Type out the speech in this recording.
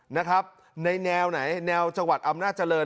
นะครับในแนวไหนแนวจังหวัดอำนาจริง